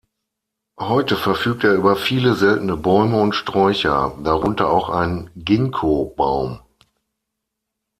Heute verfügt er über viele seltene Bäume und Sträucher, darunter auch ein Ginkgo-Baum.